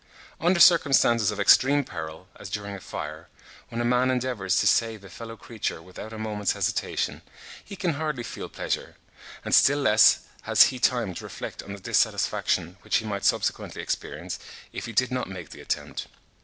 Under circumstances of extreme peril, as during a fire, when a man endeavours to save a fellow creature without a moment's hesitation, he can hardly feel pleasure; and still less has he time to reflect on the dissatisfaction which he might subsequently experience if he did not make the attempt.